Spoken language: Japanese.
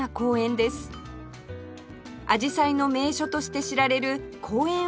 アジサイの名所として知られる公園